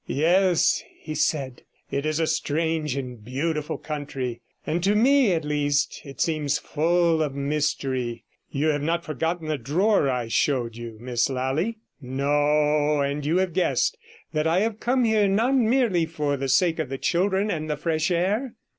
'Yes,' he said, 'it is a strangely beautiful country; and to me, at least, it seems full of mystery. You have not forgotten the drawer I showed you, Miss Lally? No; and you have guessed that I have come here not merely for the sake of the children and the fresh air?'